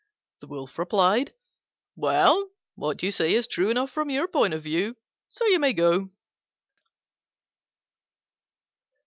The Wolf replied, "Well, what you say is true enough from your point of view; so you may go."